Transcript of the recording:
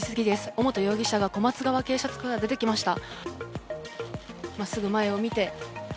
尾本容疑者が小松川警察署から出てきました。